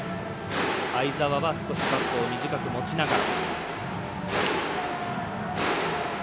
相澤は少しバットを短く持ちながら。